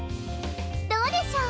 どうでしょう？